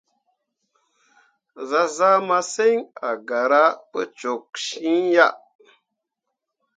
Zah zaa masǝŋ a gara pu toksyiŋ ah.